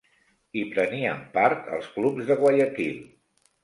Hi prenien part els clubs de Guayaquil.